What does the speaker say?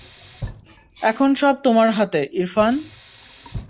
এখন সব তোমার হাতে, ইরফান।